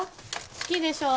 好きでしょ